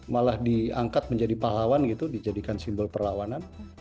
malah diangkat menjadi pahlawan gitu dijadikan simbol perlawanan